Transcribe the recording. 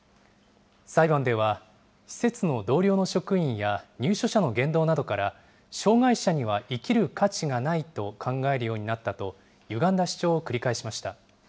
裁判では、施設の同僚の職員や入所者の言動などから、障害者には生きる価値がないと考えるようになったと、ゆがんだ主張を繰り返しました。